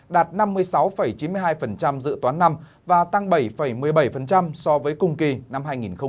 đạt năm mươi sáu chín mươi hai dự toán năm và tăng bảy một mươi bảy so với cùng kỳ năm hai nghìn một mươi chín